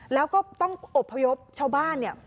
แล้วก็ต้องอบพยพชาวบ้าน